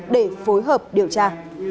để phối hợp điều tra